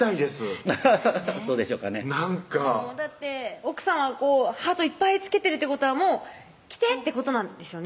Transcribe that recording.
奥さんはハートいっぱい付けてるってことはもう来てってことなんですよね